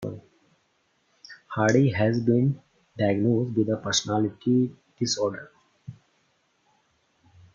Hardy has been diagnosed with a personality disorder.